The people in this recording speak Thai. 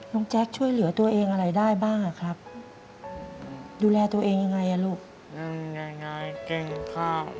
แจ๊คช่วยเหลือตัวเองอะไรได้บ้างอ่ะครับดูแลตัวเองยังไงอ่ะลูกอืม